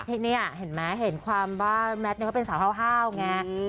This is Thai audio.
ที่นี่เห็นไหมเห็นความว่าแมทเป็นสาวเห่าไง